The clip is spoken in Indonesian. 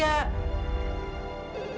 ya pergi sama ujang